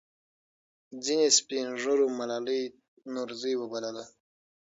ځینې سپین ږیرو ملالۍ نورزۍ وبلله.